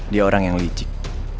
dia orang yang licik